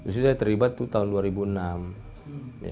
saya terlibat tuh tahun dua ribu enam